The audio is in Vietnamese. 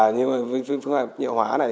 nhưng với phương pháp nhựa hóa này